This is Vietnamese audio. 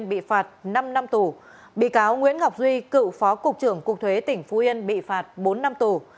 bị cáo nguyễn ngọc duy cựu phó cục trưởng cục thuế tỉnh phú yên bị phạt bốn năm tù